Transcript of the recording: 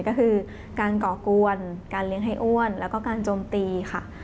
ก็คือการก่อกวนการเลี้ยงให้อ้วนแล้วก็การโจมตีค่ะ